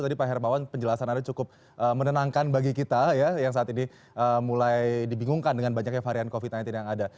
tadi pak hermawan penjelasan anda cukup menenangkan bagi kita ya yang saat ini mulai dibingungkan dengan banyaknya varian covid sembilan belas yang ada